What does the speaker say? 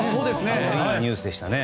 いいニュースでしたね。